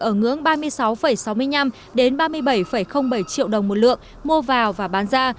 ở ngưỡng ba mươi sáu sáu mươi năm ba mươi bảy bảy triệu đồng một lượng mua vào và bán ra